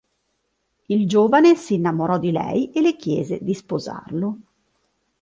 Il giovane si innamorò di lei e le chiese di sposarlo.